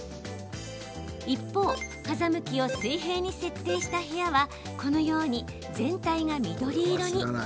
一方、風向きを水平に設定した部屋はこのように全体が緑色に。